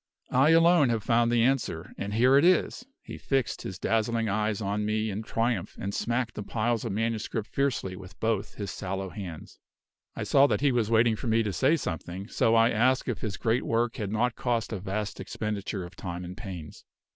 I alone have found the answer; and here it is!" He fixed his dazzling eyes on me in triumph, and smacked the piles of manuscript fiercely with both his sallow hands. I saw that he was waiting for me to say something; so I asked if his great work had not cost a vast expenditure of time and pains.